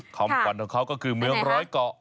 คอมพอร์นเท่าเค้าก็คือเมืองร้อยเกาะ